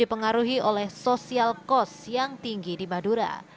yang diharuhi oleh sosial cost yang tinggi di madura